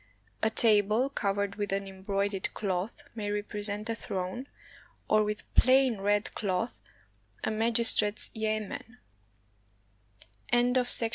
A table covered with an embroidered cloth may represent a throne, or with plain red cloth a magistrate's yamen.